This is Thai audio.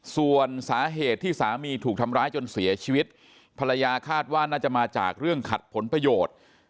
ส่วนสาเหตุที่สามีถูกทำร้ายจนเสียชีวิตภรรยาคาดว่าน่าจะมาจากเรื่องขัดผลประโยชน์